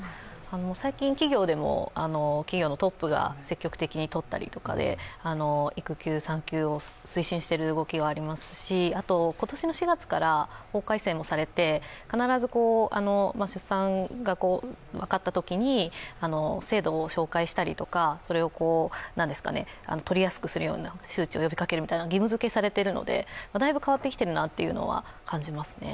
最近、企業でも、企業のトップが積極的にとったりとかで育休、産休を推進している動きがありますし今年の４月から法改正もされて必ず出産が分かったときに制度を紹介したりとか、それを取りやすくするような周知を呼びかけるみたいなことが義務づけされているのでだいぶ変わってきているなというのは感じますね。